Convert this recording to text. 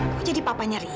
kok jadi papanya rizky